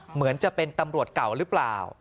เหมือนจะเป็นตำรวจเก่าหรือเปล่า